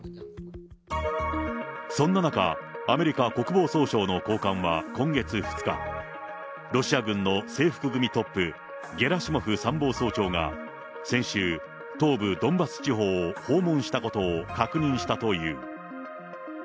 そんな中、アメリカ国防総省の高官は今月２日、ロシア軍の制服組トップ、ゲラシモフ参謀総長が、先週、東部ドンバス地方を訪問したことを確認したという。